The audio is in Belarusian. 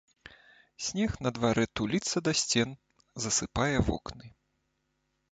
Снег на дварэ туліцца да сцен, засыпае вокны.